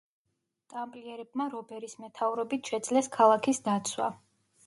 ტამპლიერებმა რობერის მეთაურობით შეძლეს ქალაქის დაცვა.